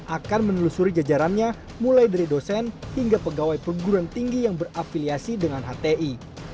akan menelusuri jajarannya mulai dari dosen hingga pegawai perguruan tinggi yang berafiliasi dengan hti